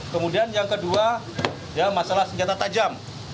kemudian yang kedua masalah senjata tajam